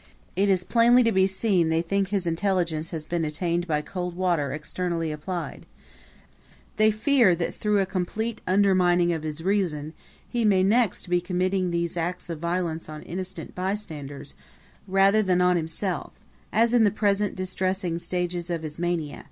It is plainly to be seen they think his intelligence has been attainted by cold water externally applied; they fear that through a complete undermining of his reason he may next be committing these acts of violence on innocent bystanders rather than on himself, as in the present distressing stages of his mania.